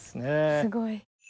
すごい。